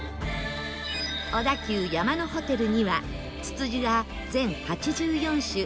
小田急山のホテルにはツツジが全８４種